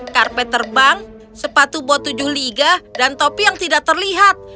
karpet terbang sepatu bot tujuh liga dan topi yang tidak terlihat